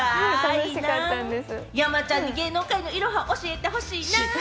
いいな、山ちゃんに芸能界のいろは、教えてほしいな。